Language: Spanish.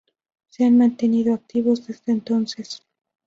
Se han mantenido activos desde entonces.